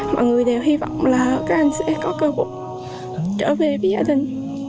mọi người đều hy vọng là các anh sẽ có cơ hội trở về với gia đình